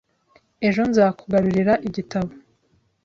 Ejo nzakugarurira igitabo .